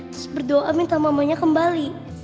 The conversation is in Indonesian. terus berdoa minta mamanya kembali